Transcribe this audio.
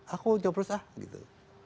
aku nyobros ah gitu